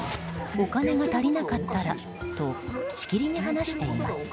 お金が足りなかったらとしきりに話しています。